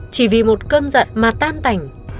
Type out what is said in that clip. chỉ vì một cơn giận mà tan thành